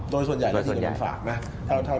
โดยส่วนใหญ่แล้วดีกว่ากันฝากนะ